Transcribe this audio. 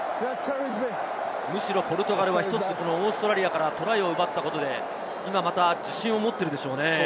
むしろポルトガルは１つオーストラリアからトライを奪ったことで今また自信を持っているでしょうね。